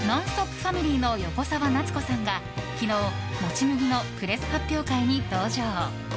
ファミリーの横澤夏子さんが昨日、もち麦のプレス発表会に登場。